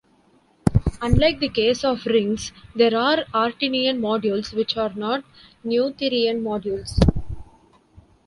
Unlike the case of rings, there are Artinian modules which are not Noetherian modules.